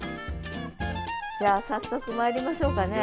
じゃあ早速まいりましょうかね。